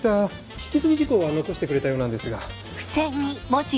引き継ぎ事項は残してくれたようなんですが。